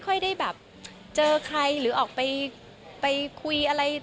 คุณแม่มะม่ากับมะมี่